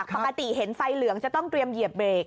ปกติเห็นไฟเหลืองจะต้องเตรียมเหยียบเบรก